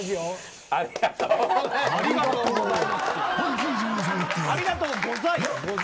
ありがとうござい。